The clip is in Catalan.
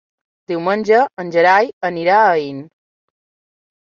Diumenge en Gerai anirà a Aín.